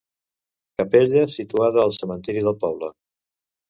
Capella situada al cementiri del poble.